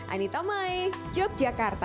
anita mai yogyakarta